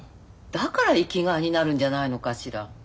だから生きがいになるんじゃないのかしら。